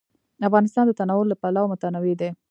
افغانستان د تنوع له پلوه متنوع دی.